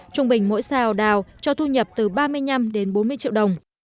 trung bình mỗi xào đào cho thu nhập từ ba mươi năm đến bốn mươi triệu đồng